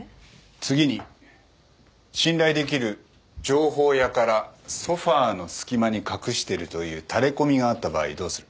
次に信頼できる情報屋からソファの隙間に隠してるというタレコミがあった場合どうする？